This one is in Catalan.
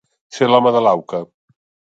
Ser l'home de l'auca.